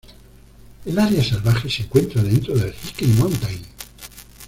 El área salvaje se encuentra dentro del Hickey Mountain.